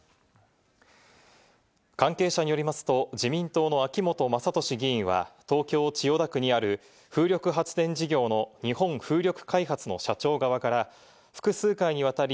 関係者によりますと、自民党の秋本真利議員は、東京・千代田区にある風力発電事業の日本風力開発の社長側から複数回にわたり、